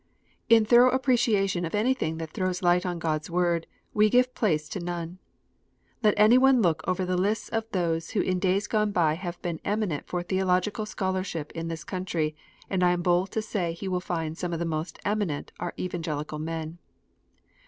In thorough appreciation of anything that throws light on God s Word, we give place to none. Let any one look over the lists of those who in days gone by have been eminent for theological scholarship in this country, and I am bold to say he will find some of the most eminent are Evangelical men.